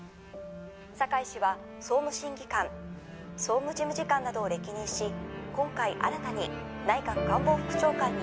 坂井氏は総務審議官総務事務次官などを歴任し今回新たに内閣官房副長官に。